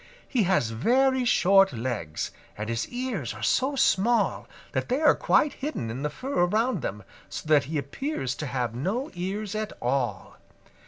He has very short legs, and his ears are so small that they are quite hidden in the fur around them, so that he appears to have no ears at all.